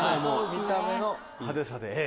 見た目の派手さでＡ。